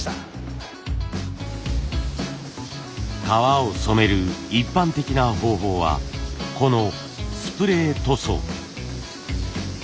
革を染める一般的な方法はこのスプレー塗装。